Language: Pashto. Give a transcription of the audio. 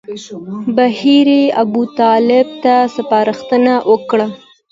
بهیري ابوطالب ته سپارښتنه وکړه.